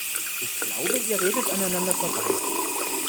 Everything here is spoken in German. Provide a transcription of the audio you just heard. Ich glaube, ihr redet aneinander vorbei.